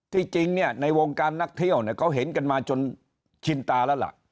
จริงเนี่ยในวงการนักเที่ยวเขาเห็นกันมาจนชินตาแล้วล่ะ